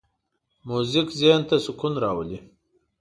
موزیک ذهن ته سکون راولي.